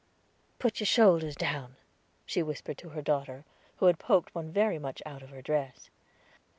"Put your shoulders down," she whispered to her daughter, who had poked one very much out of her dress.